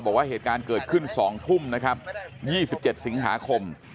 บอกว่าเหตุการณ์เกิดขึ้น๒ทุ่มนะครับ๒๗สิงหาคม